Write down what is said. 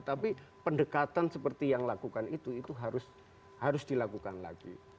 tapi pendekatan seperti yang lakukan itu itu harus dilakukan lagi